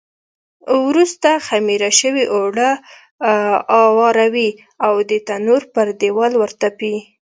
وروسته خمېره شوي اوړه اواروي او د تنور پر دېوال ورتپي.